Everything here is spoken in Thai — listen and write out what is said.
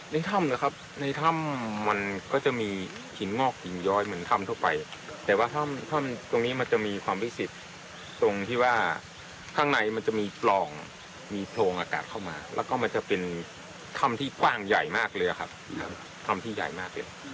ในถ้ำนะครับในถ้ำมันก็จะมีหินงอกหินย้อยเหมือนถ้ำทั่วไปแต่ว่าท่อนตรงนี้มันจะมีความพิเศษตรงที่ว่าข้างในมันจะมีปล่องมีโพรงอากาศเข้ามาแล้วก็มันจะเป็นถ้ำที่กว้างใหญ่มากเลยอะครับถ้ำที่ใหญ่มากเลย